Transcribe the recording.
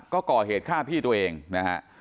ก็ก่อเหตุฆ่าพี่ตัวเองนะฮะ